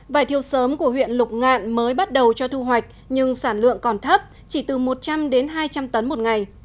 vải thiều sớm của huyện lục ngạn mới bắt đầu cho thu hoạch nhưng sản lượng còn thấp chỉ từ một trăm linh đến hai trăm linh tấn một ngày